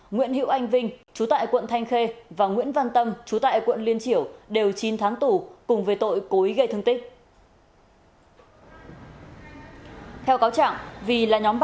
nguyễn hữu anh vinh chú tại quận thanh khê và nguyễn văn tâm chú tại quận liên triểu đều chín tháng tù cùng về tội cố ý gây thương tích